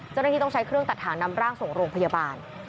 เจ้าหน้าที่ต้องใช้เครื่องตัดถ่างนำร่างส่งโรงพยาบาล